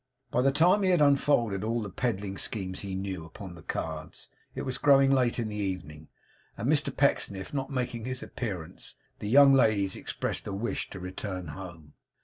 By the time he had unfolded all the peddling schemes he knew upon the cards, it was growing late in the evening; and Mr Pecksniff not making his appearance, the young ladies expressed a wish to return home.